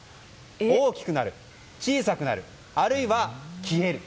大きくなる、小さくなるあるいは、消える。